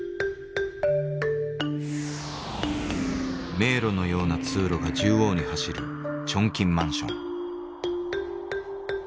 迷路のような通路が縦横に走るチョンキンマンション。